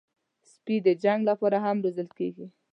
سپي د جنګ لپاره هم روزل کېږي.